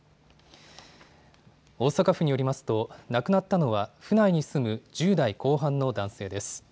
大阪府によりますと亡くなったのは府内に住む１０代後半の男性です。